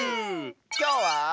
きょうは。